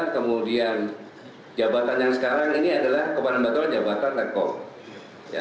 kemudian jabatan yang sekarang ini adalah kepala mbak toro jabatan rekom